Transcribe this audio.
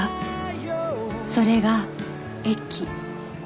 それが駅